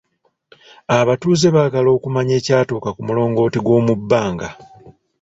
Abatuuze baagala okumanya ekyatuuka ku mulongooti gwomu bbanga.